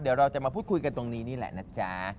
เดี๋ยวเราจะมาพูดคุยกันตรงนี้นี่แหละนะจ๊ะ